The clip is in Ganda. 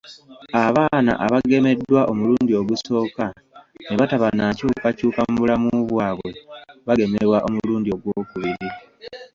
Abaana abagemeddwa omulundi ogusooka ne bataba na nkyukakyuka mu bulamu bwabwe bagemebwa omulundi ogwokubiri